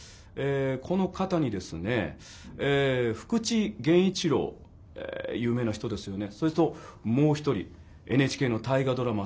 この方にですね福地源一郎有名な人ですよねそれともう一人ＮＨＫの大河ドラマ